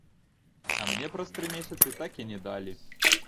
А мне праз тры месяцы так і не далі.